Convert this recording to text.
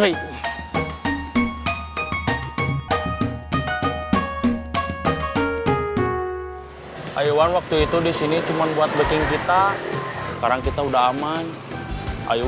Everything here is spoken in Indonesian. hai haiwan waktu itu disini cuman buat bikin kita sekarang kita udah aman ayo